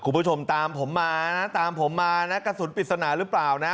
คุณผู้ชมตามผมมานะตามผมมานะกระสุนปริศนาหรือเปล่านะ